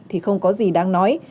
thì không có gì đáng nói